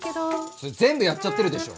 それ全部やっちゃってるでしょ。